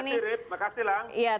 terima kasih terima kasih rib makasih lang